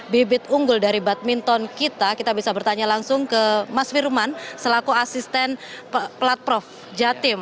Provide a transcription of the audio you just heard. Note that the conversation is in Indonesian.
bibit unggul dari badminton kita kita bisa bertanya langsung ke mas firman selaku asisten plat prof jatim